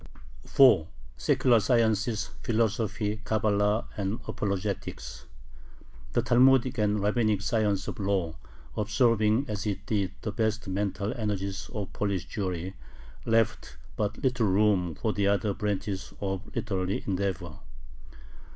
4. SECULAR SCIENCES, PHILOSOPHY, CABALA, AND APOLOGETICS The Talmudic and Rabbinic science of law, absorbing as it did the best mental energies of Polish Jewry, left but little room for the other branches of literary endeavor.